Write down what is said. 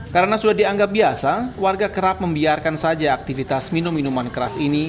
karena sudah dianggap biasa warga kerap membiarkan saja aktivitas minum minuman keras ini